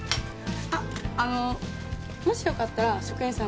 あっあのもしよかったら職員さんも１枚。